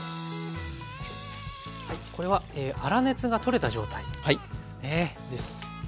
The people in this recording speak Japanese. これは粗熱が取れた状態ですね。